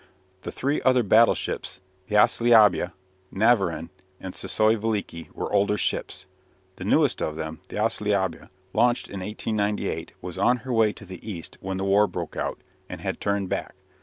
The three other battleships, the "Ossliabya," "Navarin," and "Sissoi Veliki" were older ships. The newest of them, the "Ossliabya," launched in 1898, was on her way to the East when the war broke out, and had turned back.